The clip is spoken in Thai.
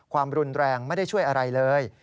ความรุนแรงไม่ได้ช่วยอะไรเลย